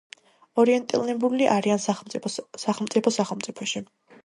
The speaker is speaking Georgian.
ორიენტირებულნი არიან სახელმწიფო სახელმწიფოში.